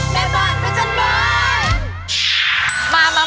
แม่บ้านเพื่อฉันบ้าน